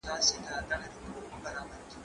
زه به سبا د کتابتون د کار مرسته کوم،